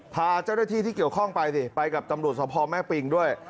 พาเจ้าหน้าที่ที่เกี่ยวข้องไปสิไปกับตำรวจสภแม่ปิงด้วย